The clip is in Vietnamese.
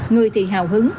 người thì hào hứng